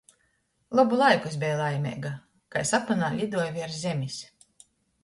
Lobu laiku es beju laimeiga. Kai sapynā liduoju viers zemis.